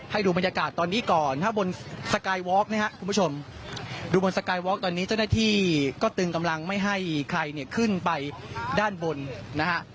ดูบรรยากาศตอนนี้ก่อนถ้าบนสกายวอล์กนะครับคุณผู้ชมดูบนสกายวอล์กตอนนี้เจ้าหน้าที่ก็ตึงกำลังไม่ให้ใครเนี่ยขึ้นไปด้านบนนะฮะ